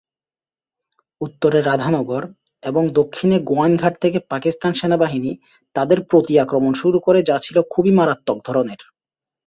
উত্তরে রাধানগর এবং দক্ষিণে গোয়াইনঘাট থেকে পাকিস্তান সেনাবাহিনী তাদের প্রতি-আক্রমণ শুরু করে যা ছিল খুবই মারাত্মক ধরনের।